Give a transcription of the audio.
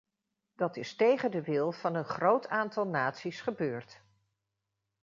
Dat is tegen de wil van een groot aantal naties gebeurd.